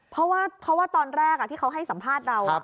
เพราะว่าตอนแรกที่เขาให้สัมภาษณ์เรา